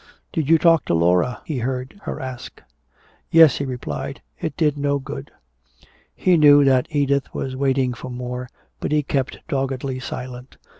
"Did you talk to Laura?" he heard her ask. "Yes," he replied. "It did no good." He knew that Edith was waiting for more, but he kept doggedly silent.